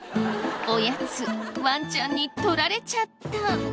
おやつワンちゃんに取られちゃった。